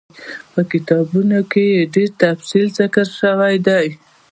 په کتابونو کي ئي ډير تفصيل ذکر شوی دی